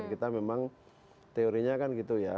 kita memang teorinya kan gitu ya